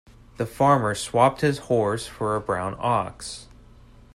The farmer swapped his horse for a brown ox.